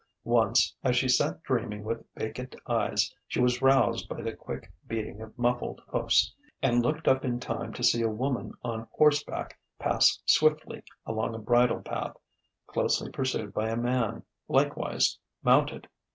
Once, as she sat dreaming with vacant eyes, she was roused by the quick beating of muffled hoofs, and looked up in time to see a woman on horseback pass swiftly along a bridle path, closely pursued by a man, likewise mounted.